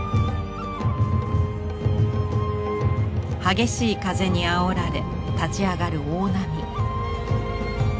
激しい風にあおられ立ち上がる大波。